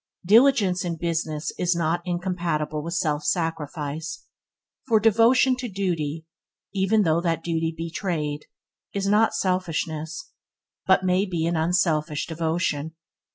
Diligence in business is not incompatible with self sacrifice, for devotion to duty, even though that duty be trade, is not selfishness, but may be an unselfish devotion.